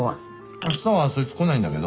あしたはそいつ来ないんだけど。